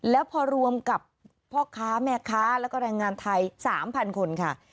แล้วพอรวมกับพ่อค้าแม่ค้าแล้วก็รายงานไทยสามพันคนค่ะค่ะ